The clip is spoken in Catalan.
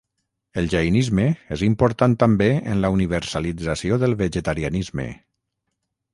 El jainisme és important també en la universalització del vegetarianisme.